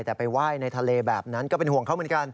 แต่ไปไหว้ในทะเลแบบนั้นก็เป็นห่วงเขาเหมือนกัน